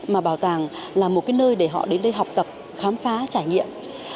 mà bảo tàng là một cái nơi để họ đến đây học tập khám phá trải nghiệm